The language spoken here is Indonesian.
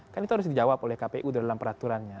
kan itu harus dijawab oleh kpu dalam peraturannya